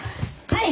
はい！